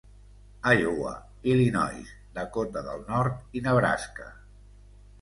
Iowa, Illinois, Dakota del Nord i Nebraska.